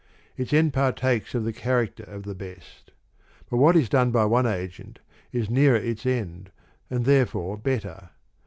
Its end partakes ofthe character of the best. But what is done by one agent is nearer its end, and therefore better.